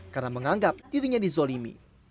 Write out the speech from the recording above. karena menganggap dirinya dizolimi